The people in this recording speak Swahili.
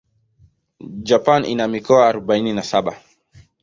Japan ina mikoa arubaini na saba.